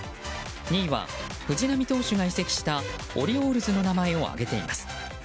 ２位は藤浪投手が移籍したオリオールズの名前を挙げています。